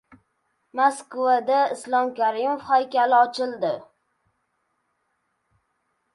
Moskvada Islom Karimov haykali ochildi